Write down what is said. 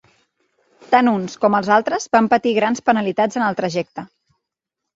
Tant uns com els altres van patir grans penalitats en el trajecte.